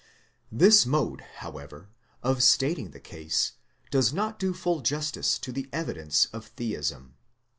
This mode, however, of stating the case does not do full justice to the evidence of Theism.